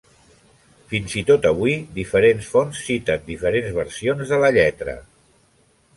Fins i tot avui diferents fonts citen diferents versions de la lletra.